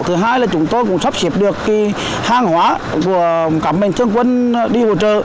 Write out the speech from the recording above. thứ hai là chúng tôi cũng sắp xếp được hàng hóa của các mạnh thương quân đi hỗ trợ